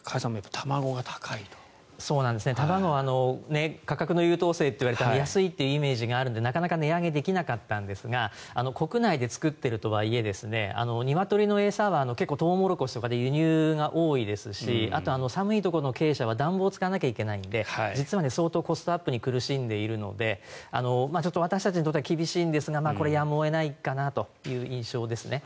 卵は価格の優等生って言われて安いというイメージがあるのでなかなか値上げできなかったんですが国内で作っているとはいえニワトリの餌は結構トウモロコシとかで輸入が多いですしあと、寒いところの鶏舎は暖房を使わないといけないので実は相当コストアップに苦しんでいるので私たちにとっては厳しいんですがやむを得ないかなという印象ですね。